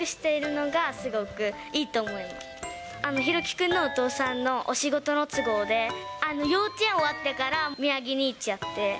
君のお父さんのお仕事の都合で、幼稚園終わってから宮城に行っちゃって。